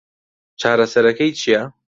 چارەسەرەکەی چییە؟